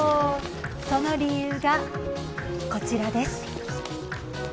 その理由が、こちらです。